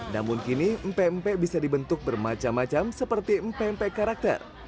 namun kini mpe mpe bisa dibentuk bermacam macam seperti mpe mpe karakter